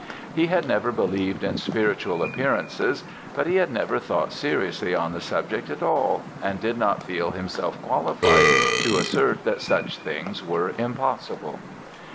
He had never believed in spiritual appearances, but he had never thought seriously on the subject at all, and did not feel himself qualified to assert that such things were impossible.